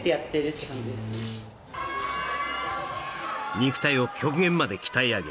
肉体を極限まで鍛え上げ